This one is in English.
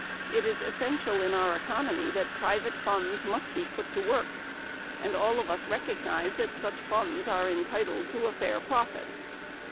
It is essential in our economy that private funds must be put to work and all of us recognize that such funds are entitled to a fair profit."